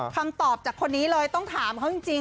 คำตอบจากคนนี้เลยต้องถามเขาจริง